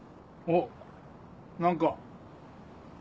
おっ何か？